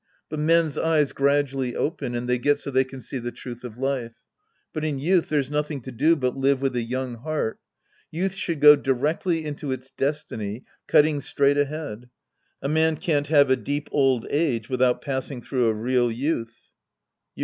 But men's eyes gradually open and they get so they can see the truth of life. But in youth there's nothing to do but live with a young heart. Youth should go directly into its destiny cutting straight ahead. A man can't have a deep old age without passing through a real youth. Yuien.